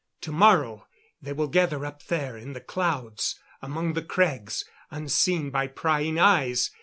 To morrow they will gather up there in the clouds, among the crags, unseen by prying eyes.